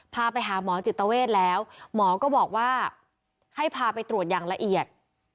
พาไปหาหมอจิตเวทแล้วหมอก็บอกว่าให้พาไปตรวจอย่างละเอียด